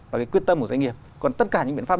và cái quyết tâm của doanh nghiệp còn tất cả những biện pháp